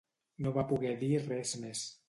No va poguer dir res més